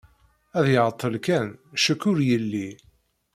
Ad iɛeṭṭel kan, ccekk ur yelli.